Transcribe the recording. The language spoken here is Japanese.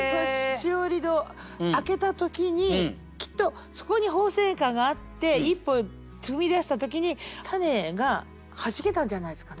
枝折戸開けた時にきっとそこに鳳仙花があって一歩踏み出した時に種が弾けたんじゃないですかね。